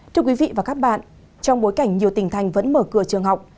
trong bối cảnh nhiều tỉnh thành vẫn mở cửa trường học